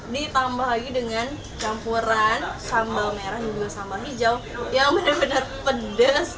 ditambah lagi dengan campuran sambal merah dan juga sambal hijau yang benar benar pedas